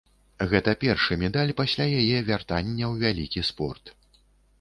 Гэта першы медаль пасля яе вяртання ў вялікі спорт.